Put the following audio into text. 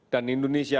dan indonesia pasti bisa